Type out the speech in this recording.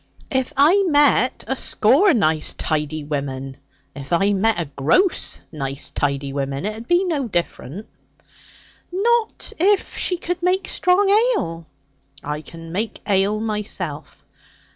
'If I met a score nice tidy women, if I met a gross nice tidy women, it 'ud be no different.' 'Not if she could make strong ale?' 'I can make ale myself.